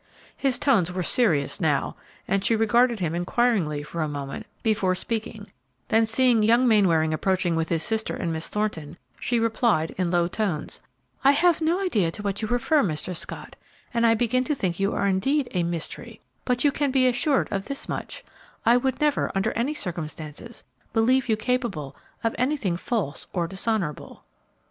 His tones were serious now, and she regarded him inquiringly for a moment before speaking; then seeing young Mainwaring approaching with his sister and Miss Thornton, she replied, in low tones, "I have no idea to what you refer, Mr. Scott, and I begin to think you are indeed a 'mystery;' but you can be assured of this much: I would never, under any circumstances, believe you capable of anything false or dishonorable."